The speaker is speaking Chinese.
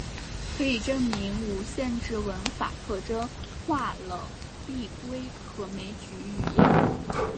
可以证明无限制文法特征化了递归可枚举语言。